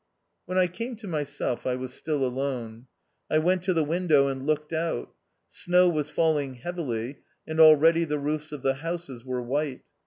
When I came to myself I was still alone. I went to the window and looked out. Snow was falling heavily, and already the roofs of the houses were white.